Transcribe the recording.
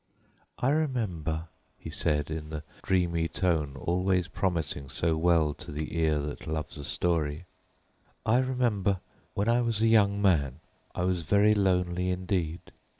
"I remember," he said in the dreamy tone always promising so well to the ear that a story delighteth—"I remember, when I was a young man, I was very lonely indeed.